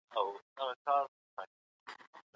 هغوی به خپلې نیوکي تکراروي.